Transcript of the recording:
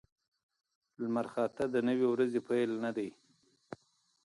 لمرخاته د نوې ورځې پیل نه دی.